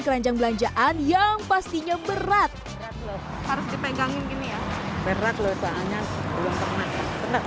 keranjang belanjaan yang pastinya berat harus dipegang ini ya beragl excuses belum pernah